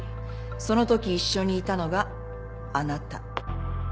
そのとき一緒にいたのがあなた。